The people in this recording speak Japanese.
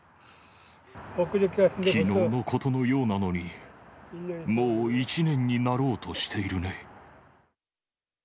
きのうのことのようなのに、もう１年になろうとしているね。